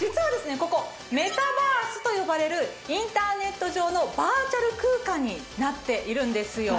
ここメタバースと呼ばれるインターネット上のバーチャル空間になっているんですよ。